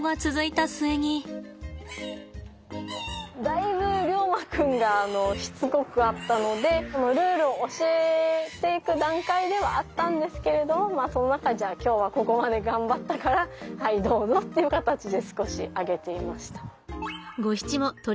だいぶリョウマ君がしつこかったのでルールを教えていく段階ではあったんですけれどもその中でじゃあ今日はここまで頑張ったからはいどうぞっていう形で少しあげていました。